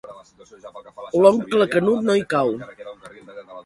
L'oncle Canut no hi cau.